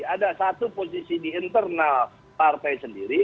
ada satu posisi di internal partai sendiri